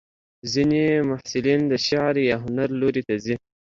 ځینې محصلین د شعر یا هنر لوري ته ځي.